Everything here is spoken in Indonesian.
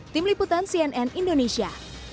tim liputan cnn indonesia